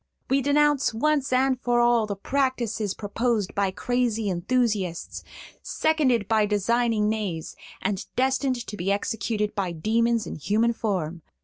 We denounce once and for all the practices proposed by crazy enthusiasts, seconded by designing knaves, and destined to be executed by demons in human form.